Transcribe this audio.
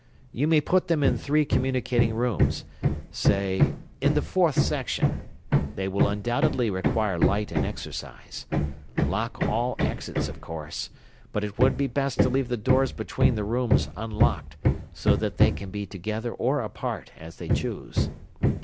You may put them in three communicating rooms, say in the fourth section they will undoubtedly require light and exercise. Lock all exits, of course, but it would be best to leave the doors between the rooms unlocked, so that they can be together or apart, as they choose.